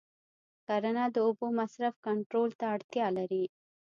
کرنه د اوبو د مصرف کنټرول ته اړتیا لري.